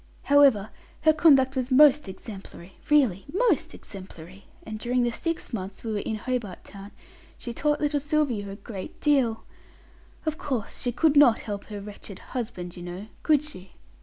"However, her conduct was most exemplary really most exemplary and during the six months we were in Hobart Town she taught little Sylvia a great deal. Of course she could not help her wretched husband, you know. Could she?"